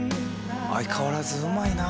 相変わらずうまいな。